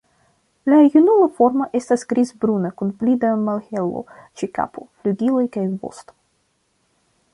La junula formo estas griz-bruna kun pli da malhelo ĉe kapo, flugiloj kaj vosto.